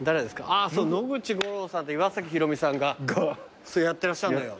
あっ野口五郎さんと岩崎宏美さんがやってらっしゃるのよ。